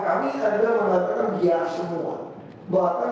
karena kan tidak bisa jualan pak